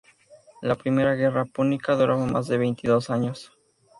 La primera guerra púnica duraba más de veintidós años.